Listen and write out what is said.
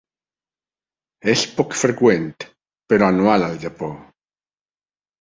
És poc freqüent, però anual al Japó.